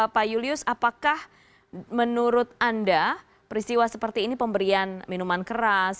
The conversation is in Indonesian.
pak julius apakah menurut anda peristiwa seperti ini pemberian minuman keras